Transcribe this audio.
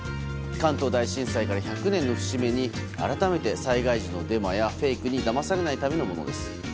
関東大震災から１００年の節目に改めて災害時のデマやフェイクにだまされないためのものです。